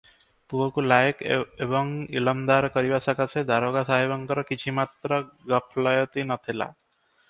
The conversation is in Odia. ପୁଅକୁ ଲାଏକ ଏବଂ ଇଲମଦାର କରିବା ସକାଶେ ଦାରୋଗା ସାହେବଙ୍କର କିଛିମାତ୍ର ଗଫଲୟତି ନ ଥିଲା ।